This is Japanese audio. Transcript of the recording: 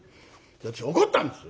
私怒ったんですよ。